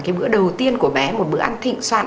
cái bữa đầu tiên của bé một bữa ăn thịnh soạn